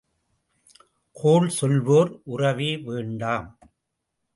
கோள் சொல்வோர் உறவே வேண்டாம்.